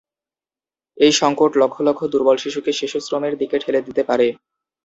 এই সংকট লক্ষ লক্ষ দুর্বল শিশুকে শিশুশ্রমের দিকে ঠেলে দিতে পারে।